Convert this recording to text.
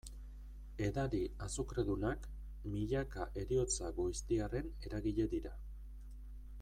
Edari azukredunak, milaka heriotza goiztiarren eragile dira.